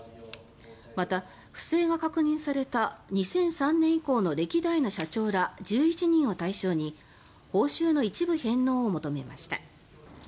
また、不正が確認された２００３年以降の歴代の社長ら１１人を対象に報酬の一部返納を求めました。